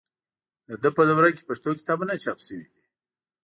د ده په دوره کې پښتو کتابونه چاپ شوي دي.